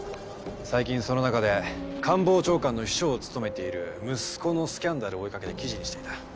最近その中で官房長官の秘書を務めている息子のスキャンダルを追いかけて記事にしていた。